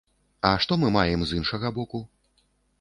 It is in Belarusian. А што мы маем з іншага боку?